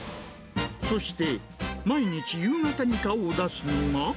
そして毎日夕方に顔を出すのが。